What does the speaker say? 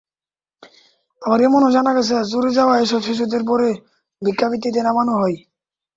আবার এমনও জানা গেছে, চুরি যাওয়া এসব শিশুদের পরে ভিক্ষাবৃত্তিতে নামানো হয়।